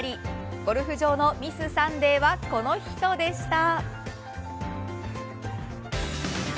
ゴルフ場のミスサンデーはこの人でした。